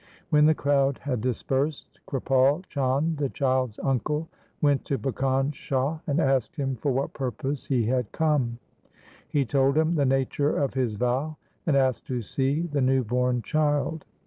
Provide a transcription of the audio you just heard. When the crowd had dispersed, Kripal Chand, the child's uncle, went to Bhikan Shah, and asked him for what purpose he had come. He told him the nature of his vow, and asked to see the new born child.